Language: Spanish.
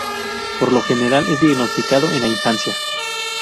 Por lo general, es diagnosticado en la infancia.